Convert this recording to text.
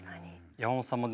山本さんもね